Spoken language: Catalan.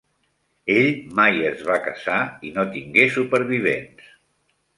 Ell mai es va casar i no tingué supervivents.